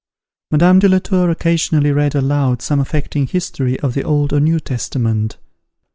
Madame de la Tour occasionally read aloud some affecting history of the Old or New Testament.